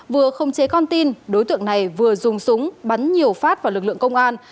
vừa không chế con tin đối tượng này vừa dùng súng bắn nhiều phát vào lực lượng công an